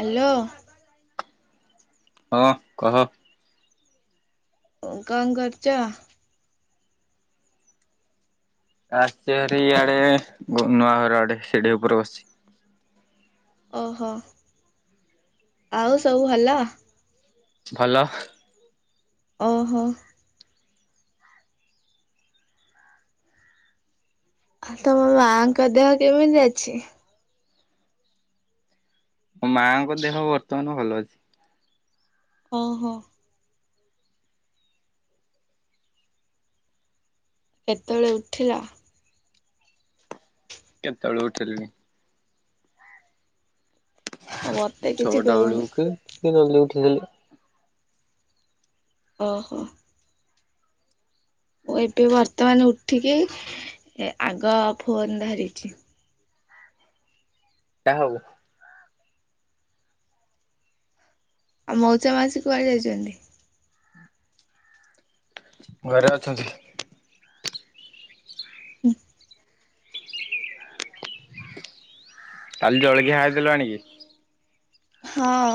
Hello ହଁ କହ। କଣ କରୁଛ? ଆସିଛି ହେରି ଇଆଡେ ନୁ ନୂଆ ଘର ଆଡେ ସିଡି ଉପରେ ବସିଛି। ଓହୋ। ଆଉ ସବୁ ଭଲ? ଭଲ। ଓହୋ। ତୋ ମାଙ୍କ ଦେହ କେମିତି ଅଛି? ମୋ ମାଆଙ୍କ ଦେହ ବର୍ତ୍ତମାନ ଭଲ ଅଛି। ଓ ହୋ। କେତେଳେ ଉଠିଲ? କେତଳୁ ହଠିଲିଣି। ଆଉ ମତେ କିଛି ଛଅଟା କହୁନ ବେଳୁ ଉଠେ ଟିକେ ଜଲ୍ଦିି ଉଠିଦେଲି। ଓହୋ। ମୁଁ ଏବେ ବର୍ତ୍ତମାନ ଉଠିକି ଏ ଆଗ ଫୋନ୍ ଧରିଛି। ଟା ହଉ ଆ ମଉଚା ମାସି କୁଆ ଯାଇଛନ୍ତି? ଘରେ ଅଛନ୍ତି। ହୁଁ। କାଲ୍ ଜଳଖିଆ ଖାଇଦେଲୁ ଆଣିକି। ହଁ।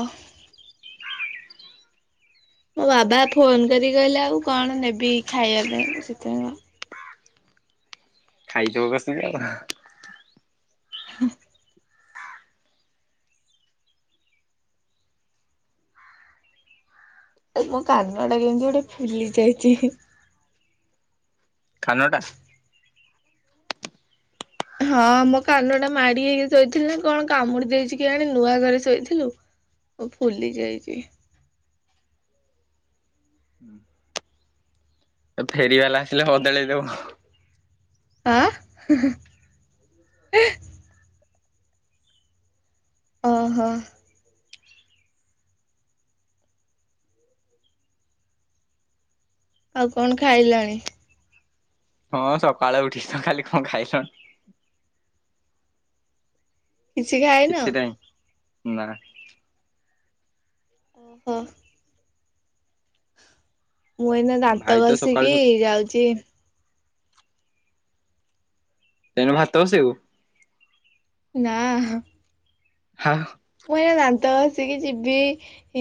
ମୋ ବାବା ଫୋନ୍ କରିକି କହିଲେ ଆଉ କଣ ନେବି ଖାଇବା ପାଇଁ? ଶୀଥିାଇଁଅ ଖାଇଥବକସି ଆ ହୁଁ। ଏ ମୋ କାନ ଟା କେନ୍ତି ଗୋଟେ ଫୁଲି ଯାଇଛି। ଖାନଟା ହଁ ମୋ କାନ ଟା ମାଡି ହେଇକି ଶୋଇଥିଲି ନା କଣ କାମୁଡି ଦେଇେଇଛି କି ଆଣି ନୂଆ ଘରେ ଶୋଇଥିଲୁ। ଓ ଫୁଲି ଯାଇଛି। ଫେରିବାଲା ଆସିଲେ ବଦଳେଇ ଦେବ। ଆଁ। ଓହୋ। ଆଉ କଣ ଖାଇଲଣି। ହଁ ସକାଳେ ଉଠି ତ ଖାଲି କଣ ଖାଇଲଣି। କିଛି ଖାଇନ? କିଛି ନାହିଁ ନା। ଓହୋ। ମୁଁ ଏଇନା ଭାଇ ଦାନ୍ତ ତ ଘଷିକି ସକାଳୁ ଯାଉଛି ତେଣୁ ଭାତ ବସେଇବୁ। ନା। ହଁ। ମୁଁ ଏନା ଦାନ୍ତ ଘଷିକି ଯିବି।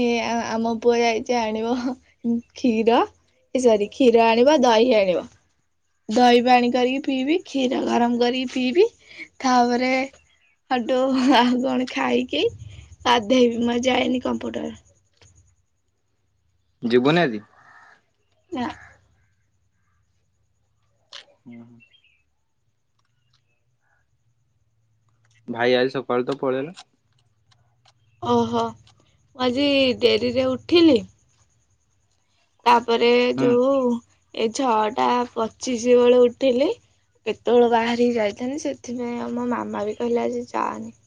ଏ ଆ ଆମ ପୁଅ ଯାଇଛି ଆଣିବ କ୍ଷୀର। ଏ ସରି କ୍ଷୀର ଆଣିବ ଦହି ଆଣିବ। ଦହି ପାଣି କରିକି ପିଇବି, କ୍ଷୀର ଗରମ କରିକି ପିଇବି ତାପରେ ହଡୁ ହଁଆଉ କଣ ଖାଇକି ଗଧେଇବି ମୁଁ ଯାଇନି କମ୍ପ୍ୟୁଟର। ଯିବୁନି ଆଜି? ଯା ହୁଁ ହୁଁ। ଭାଇ ଆଜି ସକାଳୁ ତ ପଳେଇଲା। ଓହୋ ମୁଁ ଆଜି ଡେରିରେ ଉଠିଲି। ତାପରେ ହୁଁ ଯୋଉ ଏ ଛଅ ଟା ପଚିଶ ବେଳେ ଉଠିଲି। କେତେବେଳ ବାହାରିକି ଯାଇଥାନ୍ତି, ସେଥିପାଇଁ ଆ ମାମା ବି କହିଲା ଆଜି ଯାଆନି।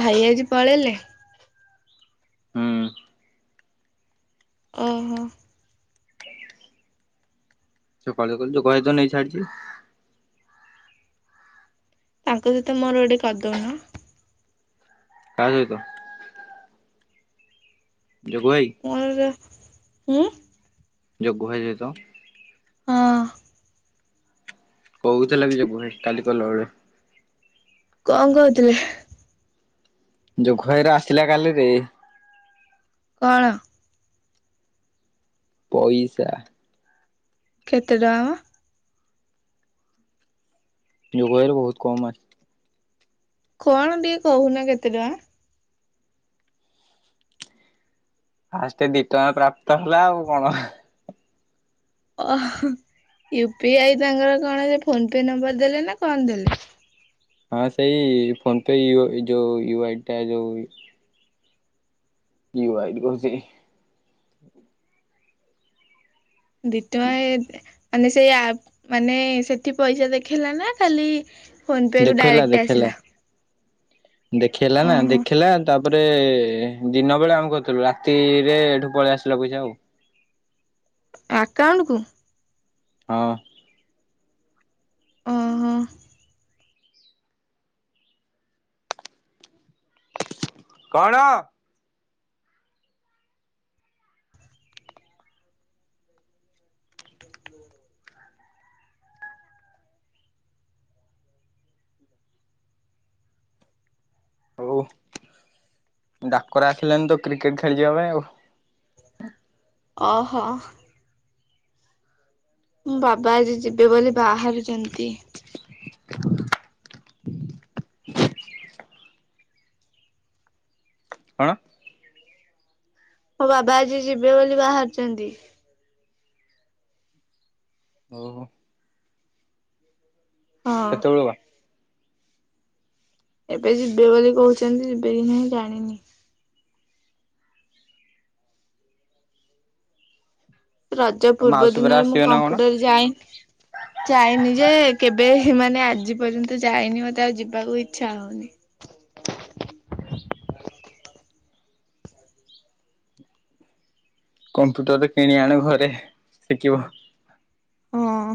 ଭାଇ ଆଜି ପଳେଇଲେ। ହୁଁ। ଓହୋ। ସେ କହିଲ କ ଯୋଗ ଭାଇ ନେଇ ତ ଛାଡିଛି। ତାଙ୍କ ସହିତ ମୋର ଗୋଟେ କରି ଦଉନ। କା ସହିତ। ଜୋଗୁ ଭାଇ। ମୋର ହୁଁ। ଯୋଗୁ ଭାଈ ସହିତ। ହଁ। କହୁଥିଲା ବି ଜଗୁ ଭାଇ କାଲି ଗଲାବେଳେ। କଣ କହୁଥିଲେ। ଯୋଗୁ ଘାଇର ଆସିଲା କାଲିରେ। କଣ। ପଇସା। କେତେ ଟଙ୍କା। ଜଗୁ ଭାଇର ବହୁତ କମ ଆସ୍ କଣ ଟିକେ କହୁନା କେତେ ଟଙ୍କା। ଫାଷ୍ଟ ଦିଟଙ୍କା ପ୍ରାପ୍ତ ହେଲା ଆଉ କଣ। ଓଃ ୟୁ ପି ଆଇ ତାଙ୍କର କଣ ସେ ଫୋନ ପେ ନମ୍ବର ଦେଲେ ନା କଣ ଦେଲେ। ହଁ ସେଇ ଫୋନ ପେ ୟୁ ଯୋଉ ୟୁ ଆଇ ଟା ଯୋଉ ୟୁ ଆଇ ଡି କହୁଛି। ଦି ଟଙ୍କା ଏ ଦେ ମାନେ ସେଇ ଆପ ମାନେ ସେଠି ପଇସା ଦେଖେଇଲା ନା ଖାଲି ଫୋନ୍ ପେକୁ ଦେଖେଇଲା ଡାଇରେକ୍ଟ ଦେଖେଇଲା ଆସିଲା। ଦେଖେଇଲା ନା ଓହୋ ଦେଖେଇଲା ତା ତାପରେ ଦିନ ବେଳେ ଆମେ କରିଥିଲୁ, ରାତିରେ ଏଠୁ ପଳେଇ ଆସିଲା ପଇସା ଆଉ। ଆକାଉଣ୍ଟକୁୁ। ହଁ। ଓହୋ କଣ ହଉ ଡାକରା ଆସିଲାନି ତ କ୍ରିକେଟ ଖେଳିଯିବା ପାଇଁ ଆଉ ଅହୋ ମୁଁ ବାବା ଆଜି ଯିବେ ବୋଲି ବାହାରିଛନ୍ତି କଣ ମୋ ବାବା ଆଜି ଯିବେ ବୋଲି ବାହାରାରୁଛନ୍ତି ଓହୋ ହଁ କେ ତେଳୁ ବା ଏବେ ରଜ ଆଉ ପୂର୍ବ ମାଉସୀ ପରା ଦିନରେ ମୁଁ ଆସିବେ ନା କଣ? କମ୍ପ୍ୟୁଟର ଯାଏ ଯାଇନି ଯେ କେବେ ମାନେ ଆଜି ପର୍ଯ୍ୟନ୍ତ ଯାଇନି ମତେ ଆଉ ଯିବାକୁ ଇଚ୍ଛା ହଉନି [inaudible] କମ୍ପ୍ୟୁଟରଟେ କିଣି ଆଣେ ଘରେ ଶିଖିବ ହଁ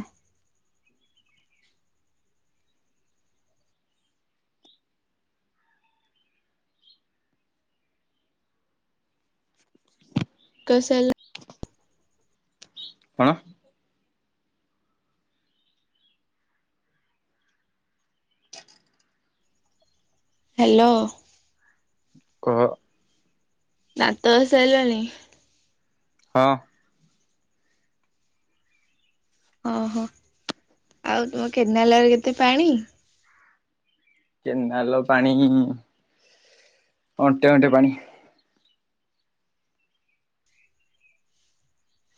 କସ ହେଲ କଣ ହ୍ୟାଲୋ କହ ନା ତ ଅ ସାରିଲାଣି ହଁ ଓଁହୋ କେନାଲ ପାଣି ଅଣ୍ଟେ ଅଣ୍ଟେ ପାଣି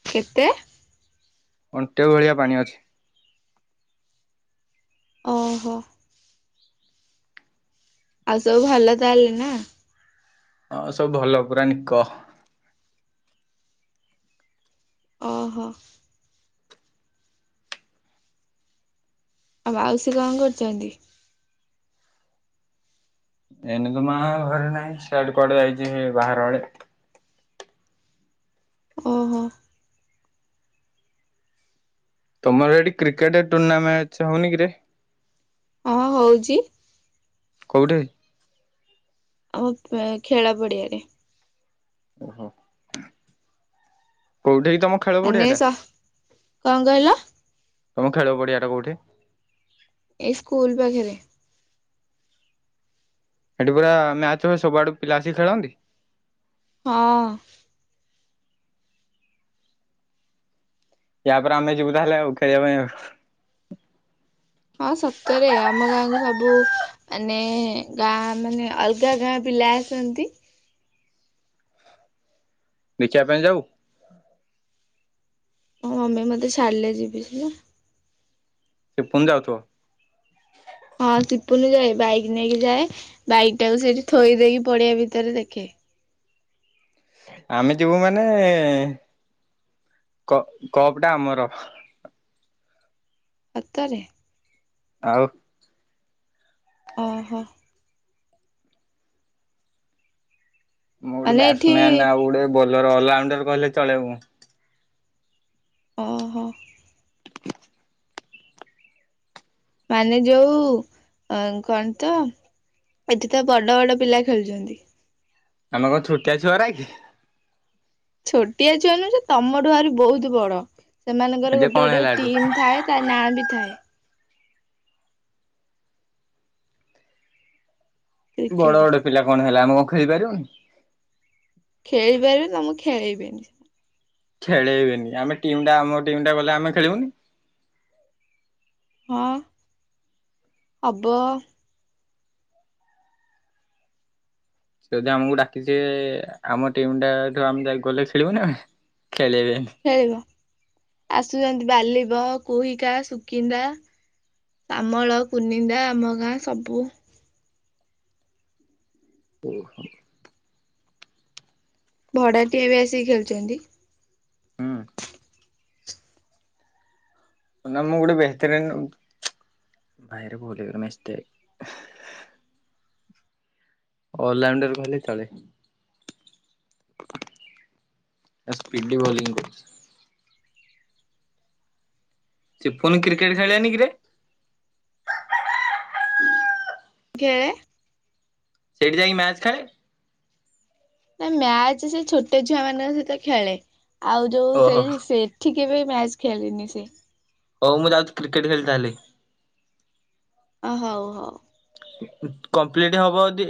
କେତେ ଅଣ୍ଟେ ଭଳିଆ ଓହୋ ଆଉ ସବୁ ହଁ ସବୁ ଭଲ ପୁରା ନିିକ ଓହୋ ଆଉ ବାଉସୀ ଏନ ତୁ ମା ଘରେ ନାହିଁ ସେଆଡେ କୁଆଡେ ଯାଇଛି ବାହାର ଆଡ଼େ ଓହୋ ତମର ଏଠି କ୍ରିକେଟ ଟୁର୍ଣ୍ଣାମେଣ୍ଟ ହଉନି କିରେ ହଁ ହଉଛି କଉଠୀ ଆମ ଖେଳା ପଡିଆରେ ଓହୋ କୋଉଠି ତମ ଖେଳ ମାନେ ପଡିଆ ଟା ସ କଣ କହିଲ ତମ ଖେଳ ପଡିଆଟା କୋଉଠି ଏଇ ସ୍କୁଲ ପାଖରେ ସେଠ ପୁରା ହଁ ୟାପରେ ଆମେ ଯିବୁ ହଁ ସତରେ ଆମ ଗାଁକୁ ସବୁ ମାନେ ଗାଁ ମାନେ ଅଲଗା ଗାଁ ପିଲା ଆସନ୍ତି ଦେଖିବା ହଁ ମମି ମତେ ଛାଡିଲେ ଯିବି ସି ନା ସେ ପୁଣି ଯାଉଥିବ ହଁ ସିପୁଲ ଯାଏ ବାଇକ୍ ନେଇକି ଯାଏ ବାଇକ୍ ଟାକୁ ସେଇଠି ଥୋଇ ଦେଇକି ପଡିଆ ଭିତରେ ଦେଖେ ଆମେ ଯିବୁ ମାନେ କପ ଟା ଆମର ସତରେ ଆଉ ଓହୋ ମୁଁ ଗୋଟେ ମାନେ ଏଠି ବ୍ୟାଟ୍ସମ୍ୟାନ୍ ଆଉ ଗୋଟେ ବୋଲର ଅଲରାଉଣ୍ଡର କହିଲେ ଚଳେଇବୁ ଓହୋ ମାନେ ଯୋଉ ଅ କଣ ତ ଏଠି ତ ବଡ ବଡ ପିଲା ଖେଳୁଛନ୍ତି ଆମେ କଣ ଛୋଟିଆ ଛୁଆର କି ଛୋଟିଆ ଛୁଆ ନ ଯେ ତମ ଠୁଆାରୁ ବହୁତ ବଡ ସେମାନଙ୍କର ଏବେ ଗୋଟେ କଣ ଗୋଟେ ହେଲା ଗ ଏଠୁ ଟିମ୍ ଥାଏ ତା ନାଁ ବି ଥାଏ ବଡ କ୍ରିକେଟ। ବଡ ପିଲା କଣ ହେଲା ଆମ କଣ ଖେଳି ପାରିବନି ଖେଳି ପାରିବେ ତ ମୁକୁ ଖେଳେଇିବନି ଖେଳେଇବେନି ଆମେ ଟିମ୍ ଟା ଆମ ଟିମ ଟା ଗଲେ ଆମେ ଖେଳିବୁନି ହଁ ଅବ ଯଦି ଆମକୁ ଡାକିଛିି ଆମ ଟିମ୍ ଟାଠୁ ଆମେ ଯାଇ ଗଲେ ଖେଳିବୁ ନା ଖେଳିବା ଖେଳିବ ଆସୁଛନ୍ତି ବାଲିବ କୋହିକାା ସୁକିନ୍ଦା ତାମଳ କୁନିନ୍ଦା ଆମ ଗାଁ ସବୁ ଓହୋ ଭଡାଟିଏ ଏବେ ଆସିକି ଖେଳଛନ୍ତି ହୁଁ ନମ ଗଡ ବେତରନ ଭୟରେ ପଲ ମି ଅାଇରେ ଭଲି ତଳେ ସ୍ପିଡଡି ବଂ କର ସେ ପୁଣି କ୍ରିକେଟ ଖେଳଆନି କିରେ ଘେଳେେ ସେଇଠି ଯାଇକ ମ୍ୟାଚ ଖାଏ ନା ମ୍ୟାଚ ସେ ଛୋଟେ ଛୁଆ ମାନଙ୍କ ସହିତ ଖେଳେ ଆଉ ଯୋଉ ଓହୋ ସେଇ ହଉ ସେ ଠିକେ ଭାଇ ମ୍ୟାଚ ଖେଳିଲିନି ସେ ହଉ ମୁଁ ଯାଉଛି କ୍ରିକେଟ ଖେଳିଥାହାି ଅ ହଉ ହଉ କମ୍ପ୍ଲିଟ ହବ ଯଦି